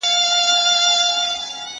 زه قلم استعمالوم کړی دی